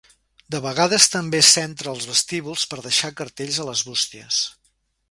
De vegades també s'entra als vestíbuls per deixar cartells a les bústies.